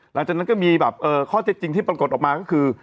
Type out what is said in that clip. หลังจากนั้นก็มีแบบข้อเท็จจริงที่ปรากฏออกมาก็คือ